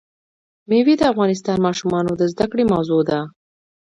مېوې د افغان ماشومانو د زده کړې موضوع ده.